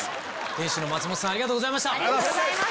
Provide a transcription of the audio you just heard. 店主の松本さんありがとうございました。